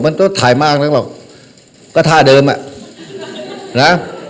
มันก็ถ่ายมากนักหรอกก็ท่าเดิมอ่ะนะ